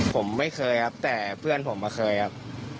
ผมไม่เคยครับแต่เพื่อนผมอะเคยครับ